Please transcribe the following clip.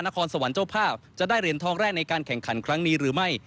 นครสวรรค์เจ้าภาพจะได้เหรียญทองแรกในการแข่งขันครั้งนี้หรือไม่